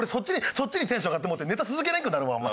そっちにテンションが上がってもうてネタ続けれんくなるわお前。